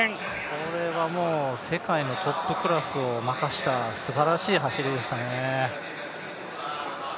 これはもう、世界のトップクラスを負かしたすばらしい走りでしたね。